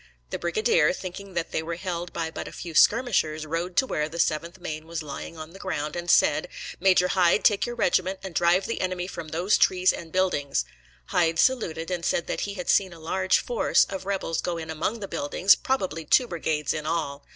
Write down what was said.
The brigadier, thinking that they were held by but a few skirmishers, rode to where the 7th Maine was lying on the ground, and said: "Major Hyde, take your regiment and drive the enemy from those trees and buildings." Hyde saluted, and said that he had seen a large force of rebels go in among the buildings, probably two brigades in all.